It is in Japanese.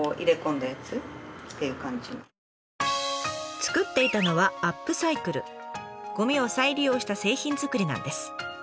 作っていたのはゴミを再利用した製品作りなんです。